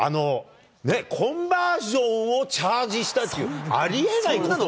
コンバージョンをチャージしたっていうありえない。